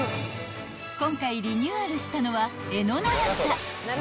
［今回リニューアルしたのは柄の長さ］